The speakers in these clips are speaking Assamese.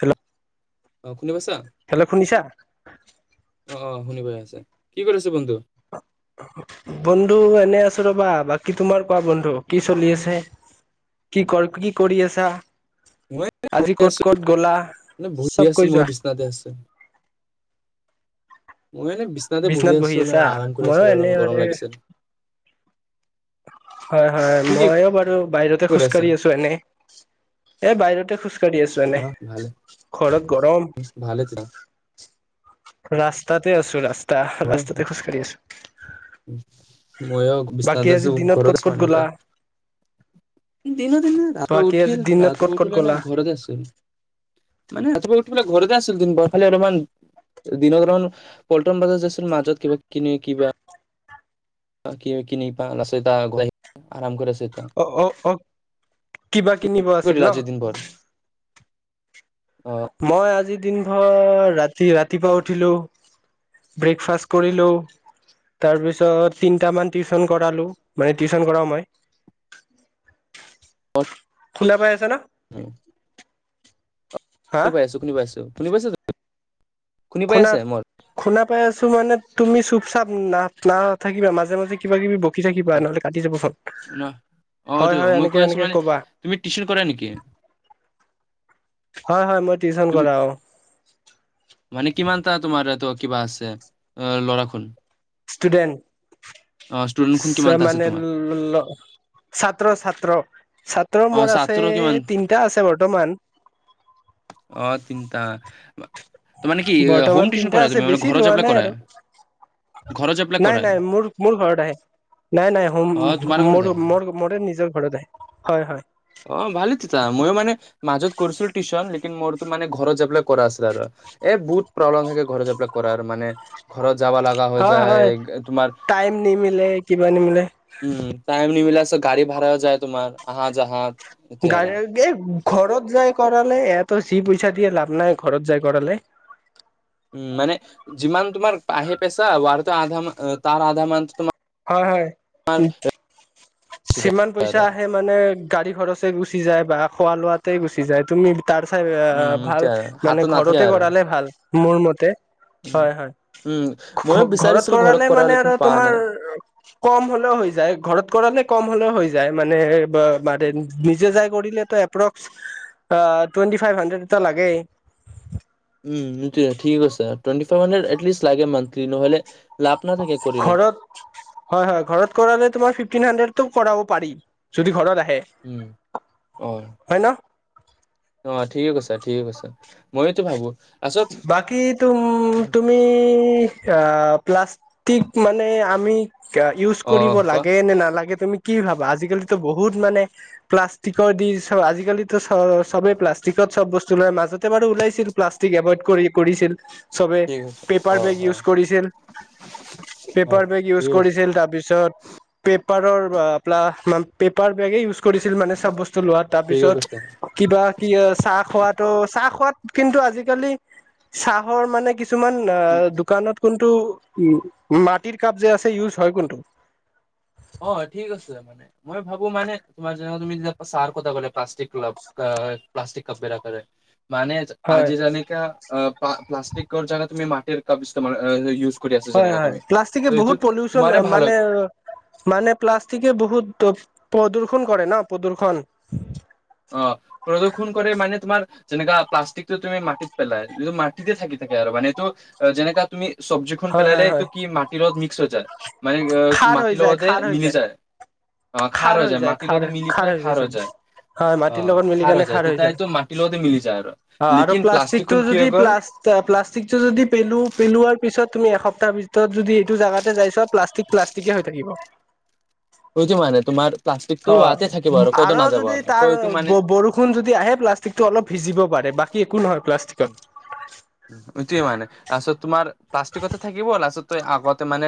হেল্ল' অ শুনি পাইছা শুনিছা অ শুনি পাই আছে কি কৰি আছে বন্ধু বন্ধু এনে আছো ৰবা বাকী তোমাৰ কোৱা বন্ধু কি চলি আছে কি কৰ কি কৰি আছা মই আজি ক'ত ক'ত গলা এনে বহি আছো মানে বহি চব আছো কৈ মই যোৱা বিচনাতে আছো মই এনে বিছনাতে বহি বিচনাত আছো ন আছা? আৰাম কৰি আছো মইয়ো এনে অলপ মানে গৰম লাগিছে হয় হয় তুমি কি মইয়ো বাৰু বাহিৰতে কৰি আছা খোজকাঢ়ি আছো এনে, এ বাহিৰতে খোজকাাঢ়ি আছো এনে অ ভালে ঘৰত গৰম। ভালে তেতিয়া ৰাস্তাত এতে আছু ৰাচ ত ৰাস্তাতে খোজকাঢ়ি আছো। উম, মইও বাকী বিছনাত আজি আছো দিনত ঘৰত ক'ত ক'ত মানে এটা গ'লা? দিন দিনে ৰআকৌ বাকী আজি উঠিল দিনত ক'ত ৰাতিপুৱা ক'ত উঠিলে নে গ'লা? ঘৰতে আছিল মানে ৰাতিপুৱা উম, [unintelligible] বোলে ঘৰতে আছিল কি খালি অলপমান দিনত অলপমান পল্টন বাজাৰ য আছিল মাজত কিবা কনে কিবা কি কিন পাত আৰাম কৰে [unintelligible] অ', অ', অ', কিবা তুমি কিনিব কি আছিল কৰিলা ন? আজিৰ দিনভৰ অ মই আজি দিন ভৰ ৰাতি ৰাতিপুৱা উঠিলো ব্ৰেকফাষ্ট কৰিলো তাৰপিছত তিনটা মান টিউশন কৰালো মানে টিউচন কৰাও মই। অ শুনা পাই আছ না? শুনি শুনি পাইছো -শুনি পাইছো-শুনি পাইছো তু শুনা - শুনা পাই আছো মানে তুমি চুপ চাপ না নাথাকিবা মাজে-মাজে কিবা কিবি ব কি থাকিবা নহলে কাটি যাব ফোন ন অ এইটো হয়-হয় মই এনেকে কৈ আছো এনেকে মানে কবা তুমি টিউচন কৰা নেকি হয়-হয় মই টিউচন তুমি কৰা অ। মানে কিমানটা তোমাৰ এইটো কিবা আছে অ ল'ৰাখন? ষ্টুডেণ্ট? খুন স কিমানটা আছে মানে তোমাৰ ল ছাত্ৰ ছাত্ৰ ছাত ত্ৰ অ মোৰ আছে ছাত্ৰৰ কিমান তিনটা আছে বৰ্তমান। টা। বৰ্তমান তিনটা কৰা তুমি আছে, মানে বেছি ঘৰত লোৱা যাবলৈ নাই কৰা আৰু। ঘৰত যাই পেলাই নাই, কৰাই নাই মোৰ, মোৰ ঘৰত আহে। নাই, নাই হুম, অ তোমাৰ ঘৰত মোৰ আহে মোৰ মোৰে নিজৰ ঘৰত আহে। হয়, হয়। অ, ভালে তেতিয়া, মই মানে মাজত কৰিছিলো টিউশন মোৰোটো মানে ঘৰত যাইপেলাই কৰা আছিলে আৰু। এ বহুত প্ৰব্লেম থাকে ঘৰত যাইপেলাই কৰাৰ, মানে ঘৰত যাবা লগা হৈ হয় যায়, হয়। তোমাৰ টাইম নিমিলে কিবা নিমিলে উম, [unintelligible] গাড়ী ভাৰাও যায় তোমাৰ আহা [inaudible] [inaudible] আৰু ঘৰত যাই কৰালে, এয়াতো যি পইচা দিয়ে লাভ নাই ঘৰত যাই কৰালে উম মানে যিমান তোমাৰ বাহিৰত পাইছা, বাহিৰততো আধা তাৰ আধা মান তোমাৰ হয়, হয়, গুচি যায় যিমান আৰু পইচা আহে মানে গাড়ী খৰচে গুচ চি যায় বা খোৱা লোৱাতেই গুচি যায়, তুমি তাৰ চাই এ উম ভাল এতিয়া আৰু মানে হাতত নাথাকে ঘৰতে আৰু কৰালে ভাল, মোৰ মতে। উম হয়, হয়। উম ময়ো ঘৰত বিচাৰিছিলো কৰালে কৰা মানে আৰু লেকিন পোৱা তোমাৰ নাই কম হ'লেও হৈ যায়, ঘৰত কৰালে কম হ'লেও হৈ যায়, মানে [unintelligible] নিজে যাই কৰিলে এপ্ৰক্স টুৱেণ্টি ফাইভ হাণ্ড্ৰেড এটা লাগেই। উ, এইটোৱে, থিক আছে, টুৱেণ্টি চেভেন এতলিষ্ট লাগেই মান্থলি, নহ'লে লাভ নাথাকে কৰিলে ঘৰত, হয়, হয়, ঘৰত কৰালে তোমাৰ ফিফটিন হাণ্ড্ৰেড তো কৰাব পাৰি, যদি ঘৰত আ উম অ' ন অ' ঠিকে কৈছা ঠিকে কৈছা ময়োতো ভাবো। তাৰছত বাকী তুম তুমি আহ। প্লাষ্টিক মানে আমি। ইউজ অ কৰিব কোৱা লাগে নে নালাগে। তুমি কি ভাবা আজিকালিতো বহুত মানে প্লাষ্টিকৰ দিচ আজিকালি চ চবেই প্লাষ্টিকত চব বস্তু ওলাই মাজতে বাৰু ওলাইছিল প্লাষ্টিক। এভয়ড কৰি কৰিছিল। চবে ঠিক আছে পেপাৰ অ বেগ অ ইউজ কৰিছিল, অ পেপাৰ বেগ ইউজ ঠিক আছে কৰিছিল তাৰপিছত পে পেপাৰৰ প্লা পেপাৰ বেগেই ইউজ। ইউজ কৰিছিল মানে চব বস্তু লোৱা ঠিকে তাৰপিছত কৈছা কিবা কি চাহ খোৱাতো চাহ খোৱাত। কিন্তু আজি আজি কালি চাহৰ মানে কি কিছুমান ঠিক অ' আছে দোকানত কোনটো উ মাটিৰ কাপ যে আছে ইউজ হয় কোনটো। অ' ঠিক আছে মানে মই ভাবো মানে তোমাৰ যেনেকা তুমি যেনেকা চাৰ কথা ক'লা প্লাষ্টিক প্লাষ্টিক কাপ বিলকেৰে মানে হয় আজি যেনেকা অ' প্লাষ্টিকৰ জাগাত তুমি মাটিৰ কাপ ইষ্টেমাল অ ইউজ কৰি আছা হয় যেনেকা হয় তুমি ত প্লাষ্টিকে এইটো বহুত পলিউচন তোমাৰে ভাল হয় মানে মানে প্লাষ্টিকে বহুত প্ৰদূ্ষন কৰে ন প্ৰদূ্ষন। অ। প্ৰদূ্ষণ কৰে মানে তোমাৰ যেনেকা প্লাষ্টিকটো তুমি মাটিত পেলাই এইটো মাটিতে থাকি থাকে আৰু মানে এইটো যেনেকা তুমি চব্জিখন হয় হয় পেলাইলে এইটো হয় কি মাটিৰ লগত মিক্স হৈ যায় মানে খাৰ হৈ মাটিৰ যায় লগতে খাৰ হৈ মিলি যায়। খাৰ হৈ যায় খাৰ খাৰ হৈ যায় চব হয় ম অ তিৰ লগত মিলি কেনে খাৰ হৈ তেতিয়া যায়, এইটো মাটিৰ লগতে মিলি যায় আৰু অ আৰু লেকিন প্লাষ্টিকটো প্লাষ্টিকখন কি হৈ যদি গ'ল প্লা প্লাষ্টিকটো যদি পেলো পেলোৱাৰ পিছত তুমি এসপ্তাহৰ ভিতৰত যদি এইটো জাগাতে যাইছোৱা প্লাষ্টিক প্লাষ্টিকে হৈ থাকিব। এইটো মানে তোমাৰ প্লাষ্টিকটো অ' ৱাতে থাকিব ক'তো আৰু নাযাব যদি ত তাৰ এইটো মানে বৰষুণ যদি আহে প্লাষ্টিকটো অলপ ভিজিব পাৰে বা বাকী একো নহয় প্লাষ্টিকত এইটোৱে মানে তাৰপিছত তোমাৰ প্লাষ্টিকতে থাকিব লাষ্টত তই আগতে মানে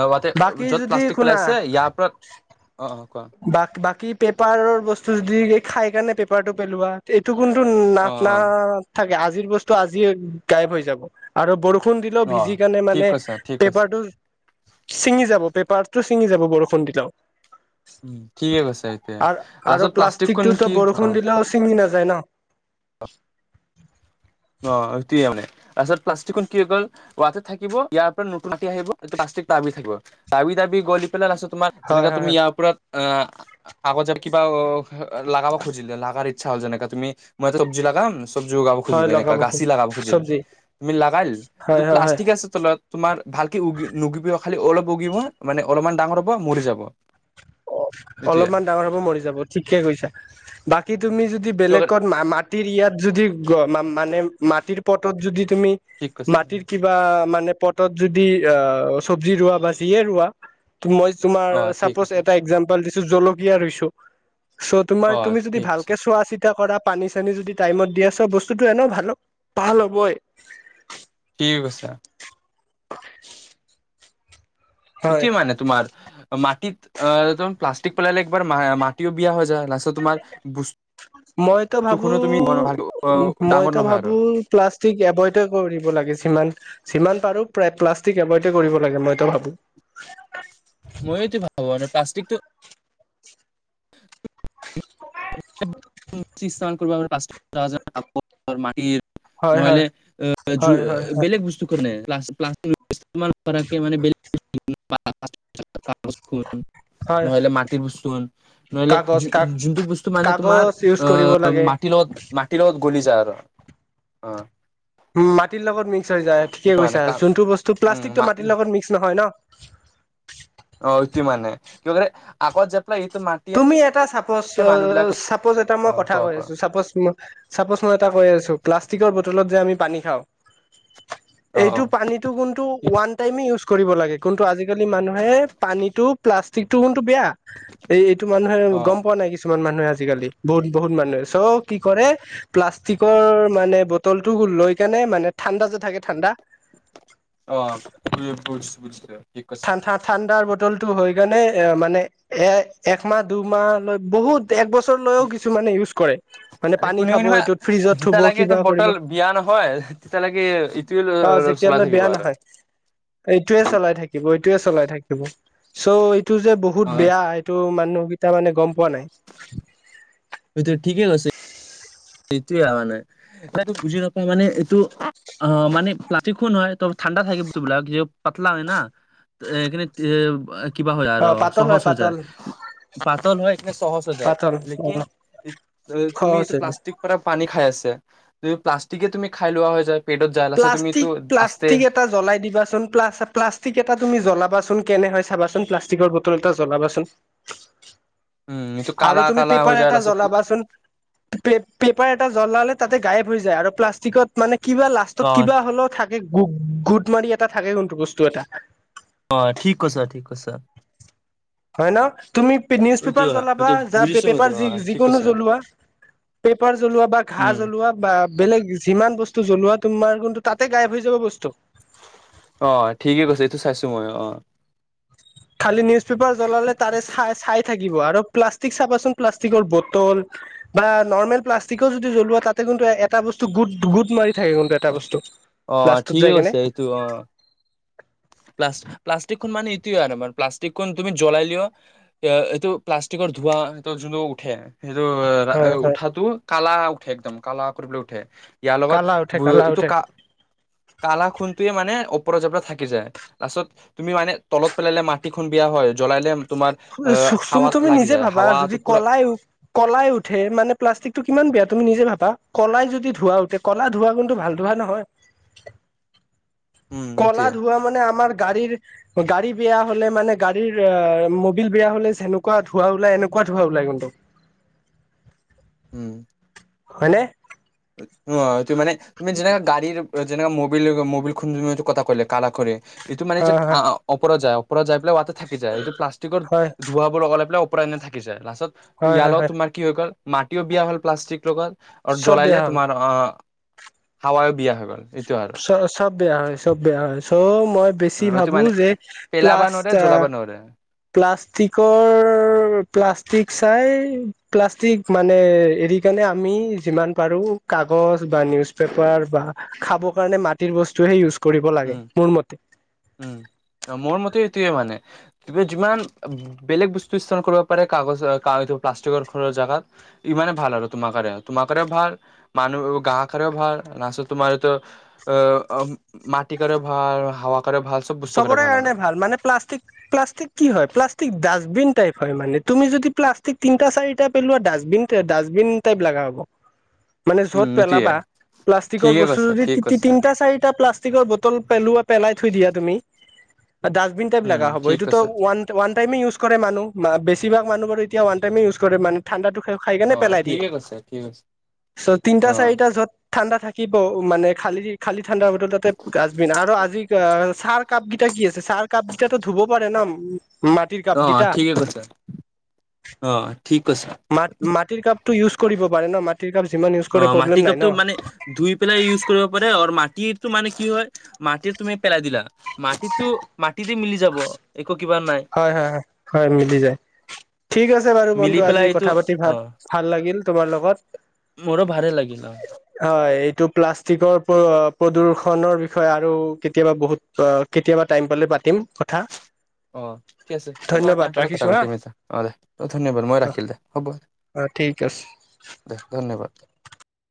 আগতে বাকী য'ত যদি প্লাষ্টিক শুনা পেলাইছে ইয়াৰ পৰা অ অ কোৱা বা বাকী পেপাৰৰ বস্তু যদি খাই কেনে পেপ পেপাৰটো পেলোৱা এইটো কোনটো অ নাক অ নাক থাকে আজিৰ বস্তু আজি গায়েব হৈ যাব আৰু বৰষুণ [unintelligible] দিলেও অ ভিজি কেনে ঠিক মানে কৈছা ঠিক কৈছা পেপাৰটো ছিঙি যাব। পেপাৰটো ছিঙি যাব বৰষুণ দিলেও। উম ঠিকে কৈছা এতিয়া আৰু আৰু লাষ্টত প্লাষ্টিকখন প্লাষ্টিকটোতো কি বৰষুণ অ' ক দিলেও ছিঙি নাযায় ন অ'। অ', সেইটোৱে মানে তাৰপিছত প্লাষ্টিকখন কি হৈ গ'ল ৱাটত থাকিব ইয়াৰ পৰা নতুন মাটি আহিব প্লাষ্টিক তাবি থাকিব তাবি দাবি গ'ল পেলাই আছো তোাৰ হয় যেনেকে হয় তুমি হয় ইয়াৰওপৰত অ' আগত যে কিবা অ' লাগাব খুজিলে লাগাৰ চাও যেনেকে তুমি মই তো চবজি লগাম চবজি লাগাব খজিল হয় এনেকা লগাব গাচি লগাব খুজিল চব্জি তুমি লগাল এইটো হয় হয় হয় প্লাষ্টিক আছে তলত তোমাৰ ভালকে উগি নগিবউ খালি অলপ উগিব মানে অলপমান ডাঙৰ হ'ব মৰি যাব অ এইটোয়ে অলপমান ডাঙৰ হব মৰি যাব ঠিকে কৈছা বাকী তুমি যদি বেলেগত মা মাটিৰ ইয়াত যদি মানে মাটিৰ পটত যদি তুমি ঠিক কৈছে মাটিৰ কিবা মানে মানে পটত যদি অ' চব্জি ৰোৱা বা যিয়ে ৰোৱা মই তোমাৰ অ ঠিক চাপজ আছে গপাল দিছো জলকীয়া ৰুইছো চ অ তোমাৰ তুমি যদি ঠিক আছে ভালকে চোৱা আচ এয়া কৰা পানী চানী যদি টাইমত দিয়া চব বস্তুতটো এন ভাল হ ভাল হ'বই ঠিক আছে [inaudible] সটো হয় মানে তোমাৰ মাটিত আহম প্লাষ্টিক পেলালে একবাৰ মাটিও বিয়া হৈ যায় লাষ্ট তোমাৰ মইতো ভাবো বস্তুখনো তুমি ভাল ডাঙৰ মইতো নহয় আৰু ভাবো প্লাষ্টিক এভইডে কৰিব লাগে সিমান যিমান পাৰো প্ৰায় প্লাষ্টিক এবয়ড কৰিব লাগে মইতো ভাবো মইটো ভাবো মান প্লাষ্টিকটো মাটিৰ হয় হয় নহলে হয় হয় হয় বেলেগ বস্তু কাৰ নে প্লাক ম হয় নহলে মাটিৰ বস্তু নহলে কাগজ কাক যোনটো বস্তু মানে কাগজ ইউজ কৰিব তমাৰ লাগে মত ম গল য আৰু অ উ মাটিৰ লগত মিক্স হৈ যায় ঠিকে মানে কৈছো যোনটো বস্তু প্লাষ্টিকটো উম মাটিৰ লগত মিক্স নহয় ন অ ইতি মানে কিবলে আগত যে তুমি এটা চাপজ অ বিলাক চাপজ এটা অ মই কথা কোৱা কৈ কোৱা আছো চাপজ তোমাক চাপজ মই এটা কৈ আছো প্লাষ্টিকৰ বটলত যে আমি পানী খাওঁ। অ অ এইটো পানীটো কোনটো ঠিক ওৱান টাইমে ইউজ কৰিব লাগে কোনটো আজিকালি মানুহে পানীটো প্লাষ্টিকটো কোনটো বেয়া। এইটো মানুহে অ গম পোৱা নাই কিছুমান মান নয় আজিকালি বহুত বহুত মানুহে চ কি কৰে প্লাষ্টিকৰ মানে বটল টো লৈ কেনে মানে ঠাণ্ডা যে থাকে ঠাণ্ডা। বুজিছ? ঠাণ ঠা ঠা ঠাণ্ডাৰ বত তলটো হৈ কাণে এ মানে এ একমাহ দুমাহ লৈ বহুত তে এক বছৰ লৈও কিছু মানে ইউজ কৰে। মানে পানী কোনে খাব কোনোবা এইটোত ফ্ৰিজত থব যেতিয়ালৈকে এইটো কিবা কৰিব। বটল বিয়া নহয় তেতিয়ালৈকে ইটোৱে অ চলাই যেতিয়ালৈ থাকিব বেয়া আৰু নহয় এইটোয়ে চলাই থাক [inaudible] চলাই থাকিব চ' টো যে বহুত হয় বেয়া এইটো মানুহ। তুমি মানে গম পোৱা নাই সত ঠিকেই কৈছে সেইটোয়ে মানে এটো বুজি নাপাওঁ মানে এইটো অ মানে প্লাষ্টিকো নহয় ত ঠাণ্ডা থাকে বস্তুবিলাক যে পাতলা হয় না এইখিন এ কিবা হয় অ আৰু পাতল সহজ হয় হৈ যায়, পাতল পাতল হয় কিন্তু সহজ হৈ যায় পাতল অ লেকিন তুমি খৰচ এইটো হৈ যায় প্লাষ্টিক পানী খাই আছে যু প্লাষ্টিকে তুমি খাই লোৱা হৈ যায়। পেটত যায় লাষ্টত তুমিটো প্লাষ্টিক আস্তে প্লাষ্টিক এটা জলাই দিবাচোন প্লাষ্টিক এটা তুমি জলাবাচোন কেনে হয় চাবাচোন প্লাষ্টিকৰ বটল এটা জ্বলাবাচোন উম এইটো আৰু কালা তুমি কালা হৈ পেপাৰ যায় এটা লাষ্টত পু জ্বলাবাচোন, পেপাৰ এটা জ্বলালে তাতে গায়ব হৈ যায় আৰু প্লাষ্টিকত মানে কিবা অ কিবা হ'লেও থাকে গোট মাৰি এটা থাকে কোনটো বস্তু এটা। অ ঠিক কছে ঠিক কছে। হয় ন তুমি নিউজ এইটো পেপাৰ জ্বলাবা এইটো যা বুজিছো মইতো পেপাৰ অ যি ঠিক যিকোনো কৈছা জ্বলোৱা, পেপাৰ জ্বলোৱা বা ঘাঁ উম জ্বলোৱা বা বেলেগ যিমান বস্তু জ্বলোৱা তোমাৰ কিন্তু তাতে গায়ব হৈ যাব বস্তু। অ ঠিকে কৈছে এইটো চাইছো মই আহ। খালি নিউজ পেপাৰ জ্বলালে তাৰে চাই চাই থাকিব আৰু প্লাষ্টিক চাবাচোন প্লাষ্টিকৰ বটল বা নৰ্মেল প্লাষ্টিকৰ যদি জ্বলোৱা তাতে কিন্তু এটা বস্তু গুট- গুট মাৰি থাকে কিন্তু এটা বস্তু অ লাষ্টত যায় কেনে। [inaudible] প্লাছ-প্লাষ্টিকখন মানে ইটোয়ে আৰু মান প্লাষ্টিকখন তুমি জ্বলালিয় এইটো প্লাষ্টিকৰ ধোৱা যোনটো উঠে সেইটো হয় [unintelligible] হয় উঠাতো কালা উঠে একদম কালা কৰিবলে উঠে। ইয়াৰ লগত কালা উঠে কালা এইটো উঠে কা-কালা খুনটোয়ে মানে পৰা জৰ পৰা থাকি যায়। পাছত তুমি মানে তলত পেলালে মাটি খন বিয়া হয় জ্বলালে তোমাৰ আহ [unintelligible] হাৱাত তুমি লাগি নিজে যায় ভাবা হাৱাটো যদি পুৰা কলাই -কলাই উঠে মানে প্লাষ্টিক টো কিমান বেয়া তুমি নিজে ভাব বা কলাই যদি ধোৱা উঠে কলা ধোৱা কিন্তু ভালটো ভালটো হা নহয় উম কলা উঠিয়ে ধোৱা মানে আমাৰ গাড়ীৰ গাড়ী বেয়া হ'লে মানে গাড়ী [unintelligible] মবিল বেয়া হলে যেনেকুৱা ধোৱা ওলাই এনেকুৱা ধোৱা ওলাই কিন্তু। উম, হয়নে? অ, এইটো মানে তুমি যেনেকা গাড়ীৰ যেনেকে মৌবিল মৌবিল খুন এইটো কথা কলে কালা কৰে। এইটো মানে যে হয় অপৰাজায়ক পোৱা যাই পেলায় থাকি যায় এইটো প্লাষ্টিকৰ হয় ধোঁৱাবোৰ লগ লাই পোৰণনে থাকি যায় লাষ্টত হয় হয় ইয়াৰ হয় লগত হয় তোমাৰ কি হৈ গ'ল মাটিও বিয়া হ'ল প্লাষ্টিক লগত আৰু চ'ব জ্বলালে বে'হাল তোমাৰ অ হাৱায়ো বিয়া হৈ গ'ল এইটো আৰু চ চ'ব বেয়া হয় চ'ব বেয়া হয় চ' মই বেছি এইটো ভাবো মানে যে পেলাবা প্লাষ্ট নোৱাৰে জ্বলাবা নোৱাৰে প্লাষ্টিকৰ প্লাষ্টিক চাই প্লাষ্টিক মানে এৰি কাৰণে আমি যিমান পাৰো কাগজ বা নিউজ পেপাৰ বা খাব কাৰণে মাটিৰ বস্তুহে ইউজ কৰিব লাগে উম। মোৰ মতে উম, মোৰ মতে মানে তুমি যিমান বেলেগ বস্তু স্তৰান কৰিব পাৰে কাগজ প্লাষ্টিকৰৰ জেগাত ইমানে ভাল আৰু তোমাৰ কাৰে তোমাৰ কাৰেও ভাল মানুহ গাঁ কাৰেও ভাল না তোমাৰ এইটো আহ মাটিকও ভাল হাৱা চ'বৰে কাৰণে ভাল মানে প্লাষ্টিক প্লাষ্টিক কি হয় প্লাষ্টিক দাচ বিন টাইপ হয় মানে তুমি যদি প্লাষ্টিক তিনিটা চাৰিটা পেলোৱা ডাষ্টবিন ডাষ্টবিন টাইপ লগা হ'ব। মানে যত উম এইটোয়ে পেলাবা প্লাষ্টিকৰ ঠিকে বস্তু কৈছা যদি ঠিক কৈছা তিনটা চাৰিটা প্লাষ্টিকৰ বটল পেলোৱা পেলাই। থৈ দিয়া তুমি। ডাষ্টবিন টাইপ উম লগা হ'ব ঠিক এইটো কৈছা ওৱান টাইমে ইউজ কৰে মানুহ বেছিভাগ মানুহ এতিয়া ওৱানটাইমে ইউজ কৰে মান ঠাণ্ডাটো। খাই অ কেনে পেলাই দিয়ে ঠিকে কৈছা ঠিক কৈছা তিনিটা অ চাৰি য'ত ঠাণ্ডা থাকে। থাকিব মানে খালি খালি। ঠাণ্ডা বতৰ তাতে গাষ্টবিনা আৰু আজি চাৰ কাপগেইটা কি আছে চাহ কাপগেইটা ধুব পাৰে ন মাটিৰ অ কাপগেইটা। ঠিকে কৈছা অ ঠিক কৈছা মাট মাটিৰ কাপ। টো ইউজ কৰিব পাৰে ন মাটি অ মাটি কাপতো মানে ধুই পেলাই ইউজ কৰিব পাৰে আৰু ম। মাটটো মানে কি হয় মাটিত তুমি পেলাই দিলা মাটিতটো মাটিতে মিলি যাব। একো কিবা নাই হয় হয় হয় হয় মিলি যায় ঠিক আছে বাৰু মিলি বন্ধু আজি পেলাই এইটো কথা পাতি অ ভাল ভাল লাগিল। তোমাৰ লগত। মোৰো ভালে লাগিল অ হয় এইটো প্লাষ্টি প্ৰদূষণৰ বিষয়ে আৰু কেতিয়াবা বহুত কেতিয়াবা টাইম পালে পাতিম। অঁ ঠিক আছে তে বাৰ ধন্যবাদ টাইম পালে কথা ৰাখিছো হা পাতিম ছা অঁ দে অ ধন্যবাদ মই ৰাখিল দে হ'ব দে অ ঠিক আছে দে ধন্যবাদ।